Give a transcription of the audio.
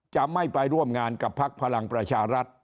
จะไม่ไปร่วมงานกับพักพลังประชารัฐ